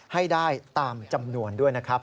ให้ได้ตามจำนวนด้วยนะครับ